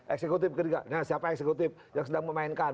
eksekutif siapa eksekutif yang sedang memainkan